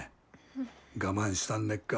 我慢したんねっか。